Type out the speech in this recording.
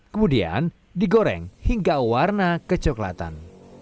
kemudian digoreng hingga warna kecoklatan